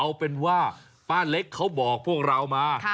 เอาเป็นว่าป้าเล็กเขาบอกพวกเรามา